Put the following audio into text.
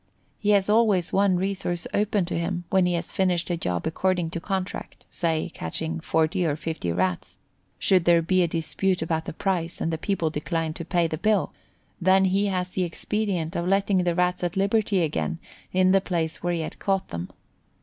He has always one resource open to him when he has finished a job according to contract (catching say 40 or 50 Rats), should there be a dispute about the price and the people decline to pay the bill, then he has the expedient of letting the Rats at liberty again in the place where he had caught them.